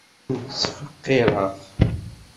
Ur tent-ttfeqqireɣ.